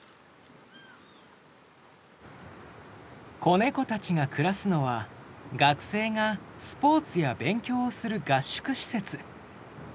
子ネコたちが暮らすのは学生がスポーツや勉強をする合宿施設。